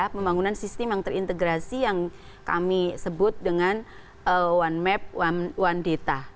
pembangunan sistem yang terintegrasi yang kami sebut dengan one map one data